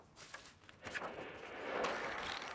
Za Calgary Flames nikdy nenastoupil.